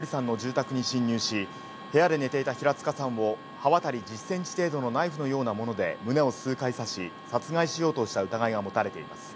宮城容疑者は２２日午前２時すぎ、余市町の平塚和則さんの住宅に侵入し、部屋で寝ていた平塚さんを刃渡り１０ｃｍ程度のナイフのようなもので胸を数回刺し殺害しようとした疑いが持たれています。